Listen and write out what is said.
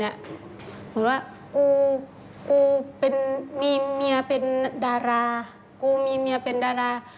เหมือนว่ากูมีเมียเป็นดารา